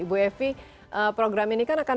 ibu evi program ini kan akan